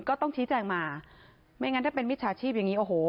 ก็ต้องชี้แจงมาไม่งั้นถ้าเป็นมิจฉาชีพอย่างงี้โอ้โห